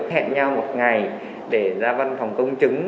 hẹn nhau một ngày để ra văn phòng công chứng